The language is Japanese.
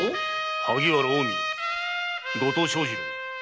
萩原近江後藤庄次郎。